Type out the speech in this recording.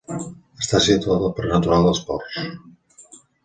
Està situat al Parc Natural dels Ports.